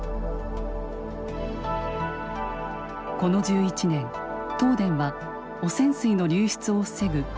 この１１年東電は汚染水の流出を防ぐ